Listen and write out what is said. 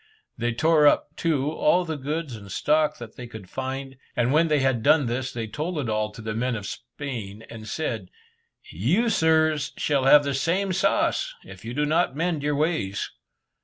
They tore up, too, all the goods and stock that they could find, and when they had done this, they told it all to the men of Spain, and said, "You, sirs, shall have the same sauce, if you do not mend your ways."